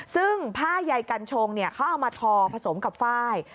ซึ่งผ้าใยกัญชงเขาเอามาทอผสมกับฝ้าย